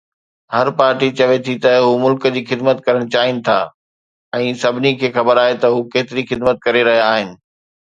هر party چوي ٿي ته هو ملڪ جي خدمت ڪرڻ چاهين ٿا ۽ سڀني کي خبر آهي ته هو ڪيتري خدمت ڪري رهيا آهن